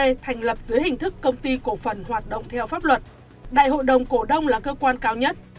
được thành lập dưới hình thức công ty cổ phần hoạt động theo pháp luật đại hội đồng cổ đông là cơ quan cao nhất